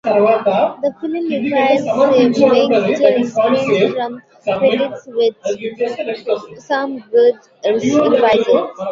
The film received a mixed reception from critics, with some good reviews.